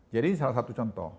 jadi ini salah satu contoh